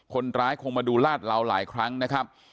คนร้ายคงมาดูลาดเหลาหลายครั้งนะครับ